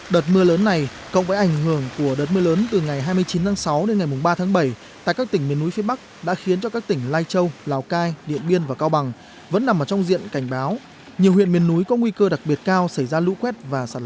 đợt mưa lớn này cộng với ảnh hưởng của đợt mưa lớn từ ngày hai mươi chín tháng sáu đến ngày ba tháng bảy tại các tỉnh miền núi phía bắc đã khiến cho các tỉnh lai châu lào cai điện biên và cao bằng vẫn nằm trong diện cảnh báo nhiều huyện miền núi có nguy cơ đặc biệt cao xảy ra lũ quét và sạt lở